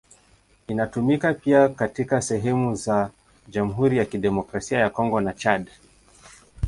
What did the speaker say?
Inatumika pia katika sehemu za Jamhuri ya Kidemokrasia ya Kongo na Chad.